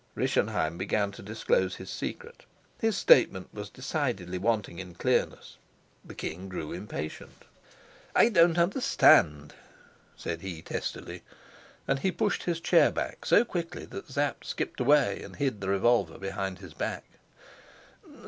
Rischenheim began to disclose his secret. His statement was decidedly wanting in clearness. The king grew impatient. "I don't understand," said he testily, and he pushed his chair back so quickly that Sapt skipped away, and hid the revolver behind his back.